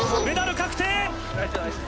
メダル確定！